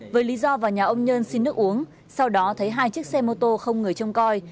với lý do vào nhà ông nhân xin nước uống sau đó thấy hai chiếc xe mô tô không người trông coi